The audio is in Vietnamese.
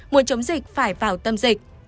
muốn chống dịch phải vào tâm dịch